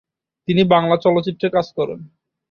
তিনি বাংলা চলচ্চিত্রে কাজ করেন।